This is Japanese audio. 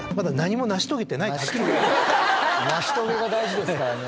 成し遂げが大事ですからね。